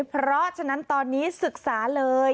เพราะฉะนั้นตอนนี้ศึกษาเลย